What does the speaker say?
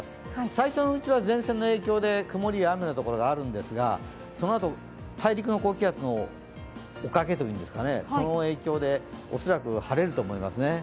最初のうちは前線の影響で曇りや雨のところがあるんですが、そのあと大陸の高気圧のおかげというんですかね、その影響で、恐らく晴れると思いますね。